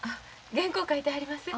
原稿を書いてはります。